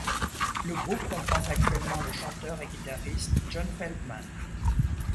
Le groupe comprend actuellement le chanteur et guitariste John Feldmann.